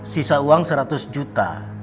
sisa uang seratus juta